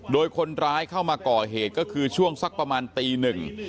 โดยคนร้ายเข้ามาก่อเหตุก็คือช่วงสักประมาณตีหนึ่ง